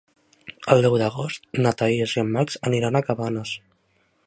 El deu d'agost na Thaís i en Max aniran a Cabanes.